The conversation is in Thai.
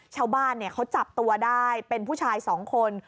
ชาวบ้านเขาจับตัวได้เป็นผู้ชายสองคน